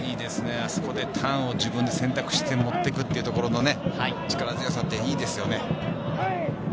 あそこでターンを自分で選択して持っていくところの力強さ、いいですね。